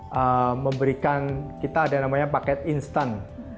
kita memberikan kita ada namanya paket instan